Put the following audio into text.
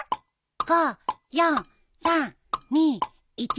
５４３２１。